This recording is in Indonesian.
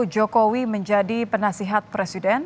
jokowi menjadi penasihat presiden